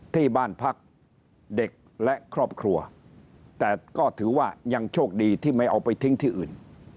ที่บ้านพักเด็กและครอบครัวแต่ก็ถือว่ายังโชคดีที่ไม่เอาไปทิ้งที่อื่น